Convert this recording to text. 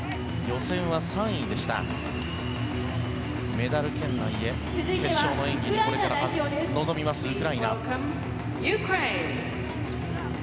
メダル圏内へ、決勝の演技にこれから臨みます、ウクライナ。